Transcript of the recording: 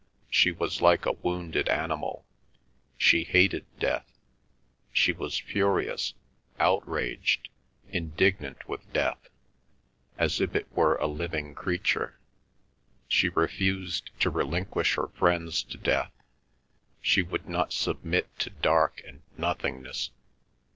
She was like a wounded animal. She hated death; she was furious, outraged, indignant with death, as if it were a living creature. She refused to relinquish her friends to death. She would not submit to dark and nothingness.